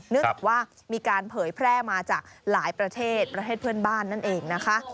เนื่องจากว่ามีการเผยแพร่มาจากหลายประเทศประเทศเพื่อนบ้านนั่นเองนะคะ